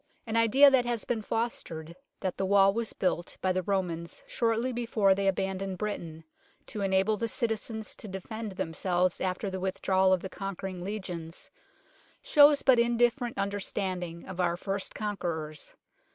An idea that has been fostered that the wall was built by the Romans shortly before they abandoned Britain, to enable the citizens to defend themselves after the withdrawal of the conquering legions, shows but indifferent under standing of our first conquerors.